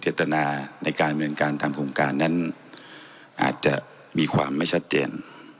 จตนาในการบริเวณการทำโครงการนั้นอาจจะมีความไม่ชัดเจน